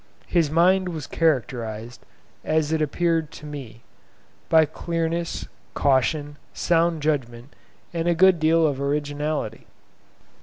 His mind was characterised, as it appeared to me, by clearness, caution, sound judgment, and a good deal of originality.